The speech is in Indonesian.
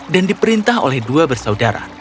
dan diperintah oleh dua bersaudara